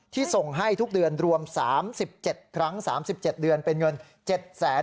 ที่ส่งให้ทุกเดือนรวม๓๗ครั้ง๓๗เดือนเป็นเงิน๗๔๐๐๐๐บาท